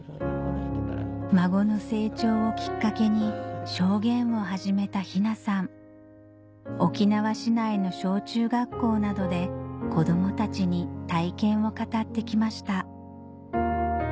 孫の成長をきっかけに証言を始めた雛さん沖縄市内の小・中学校などで子供たちに体験を語ってきました